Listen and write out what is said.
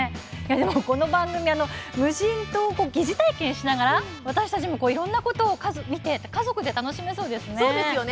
この番組無人島を疑似体験しながら私たちもいろんなことを見て家族で楽しめそうですよね。